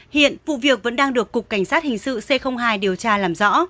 hiện vụ việc vẫn đang được cục cảnh sát hình sự c hai điều tra làm rõ